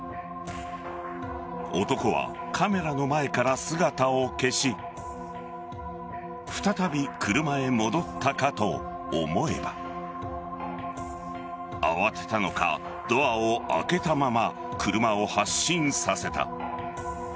男はカメラの前から姿を消し再び車へ戻ったかと思えば慌てたのか、ドアを開けたまま車を発進させた。